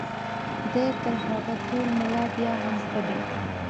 دی تر هغه تور ملا بیا هم ښه دی.